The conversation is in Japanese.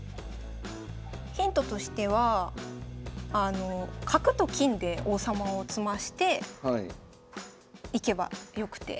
⁉ヒントとしては角と金で王様を詰ましていけばよくて。